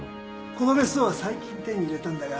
この別荘は最近手に入れたんだが